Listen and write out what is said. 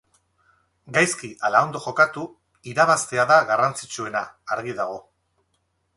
Gaizki ala ondo jokatu, irabaztea da garrantzitsuena, argi dago.